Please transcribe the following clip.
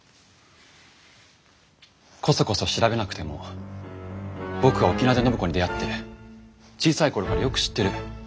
コソコソ調べなくても僕は沖縄で暢子に出会って小さい頃からよく知ってる。